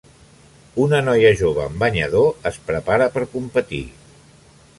Una noia jove en banyador es prepara per competir.